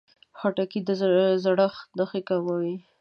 خټکی د زړښت نښې کموي.